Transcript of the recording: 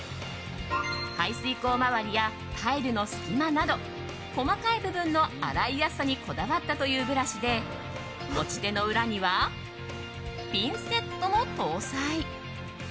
排水口周りや、タイルの隙間など細かい部分の洗いやすさにこだわったというブラシで持ち手の裏にはピンセットも搭載。